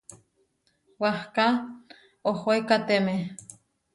Wahká ohóekateme.